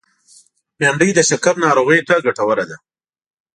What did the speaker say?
بېنډۍ د شکر ناروغو ته ګټوره ده